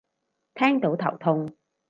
聽到頭痛